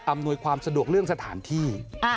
อำนวยความสะดวกเรื่องสถานที่